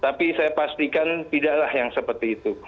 tapi saya pastikan tidaklah yang seperti itu